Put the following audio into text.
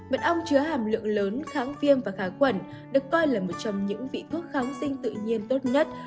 mật ong chứa hàm lượng lớn kháng viêm và kháng khuẩn được coi là một trong những vị thuốc kháng sinh tự nhiên tốt nhất